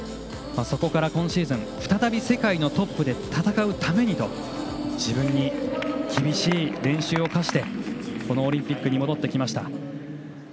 そこから今シーズン再び世界のトップで戦うためにと自分に厳しい練習を課してこのオリンピックに戻ってきました。